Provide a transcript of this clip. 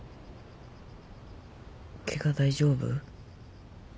ケガ大丈夫？